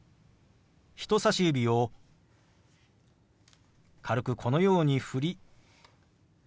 人さし指を軽くこのように振りＷｈ